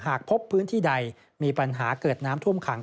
หากพบพื้นที่ใดมีปัญหาเกิดน้ำท่วมขัง